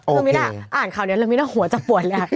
โอเคลามิน่าอ่านข่าวนี้ลามิน่าหัวจะปวดเลยอะ